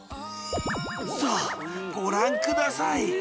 さあ、ご覧ください。